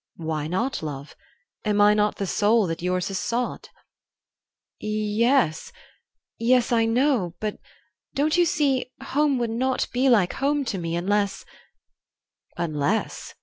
"Why not, love? Am I not the soul that yours has sought?" "Y yes yes, I know but, don't you see, home would not be like home to me, unless " "Unless?"